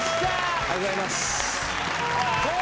ありがとうございます。